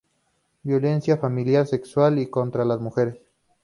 Violencia familiar, sexual y contra las mujeres.